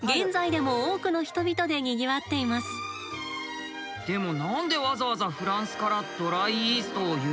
でも何でわざわざフランスからドライイーストを輸入しているんだろう？